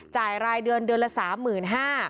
จ่ายรายเดือนเดือนละ๓๕๐๐๐